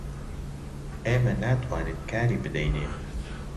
ئێمە ناتوانین کاری بدەینێ